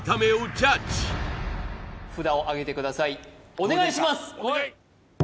お願いします